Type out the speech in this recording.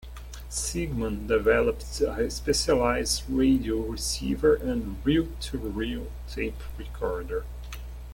Sigmon developed a specialized radio receiver and reel-to-reel tape recorder.